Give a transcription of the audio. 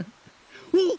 おっ！